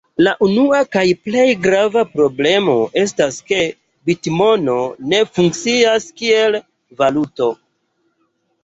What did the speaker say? La unua kaj plej grava problemo estas ke bitmono ne funkcias kiel valuto.